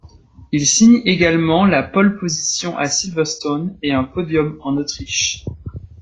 Il signe également la pole position à Silverstone et un podium en Autriche.